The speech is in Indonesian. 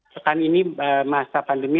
sekarang ini masa pandemi